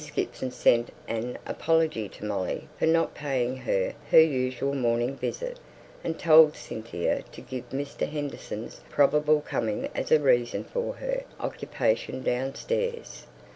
Gibson sent an apology to Molly for not paying her her usual morning visit, and told Cynthia to give Mr. Henderson's probable coming as a reason for her occupation downstairs.